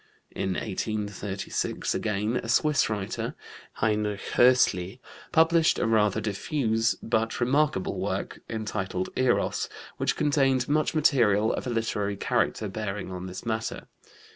In 1836, again, a Swiss writer, Heinrich Hössli, published a rather diffuse but remarkable work, entitled Eros, which contained much material of a literary character bearing on this matter.